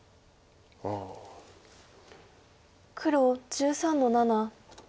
黒１３の七。